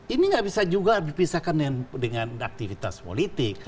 ini nggak bisa juga dipisahkan dengan aktivitas politik